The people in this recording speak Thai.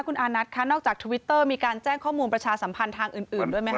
คุณอานัทคะนอกจากทวิตเตอร์มีการแจ้งข้อมูลประชาสัมพันธ์ทางอื่นด้วยไหมค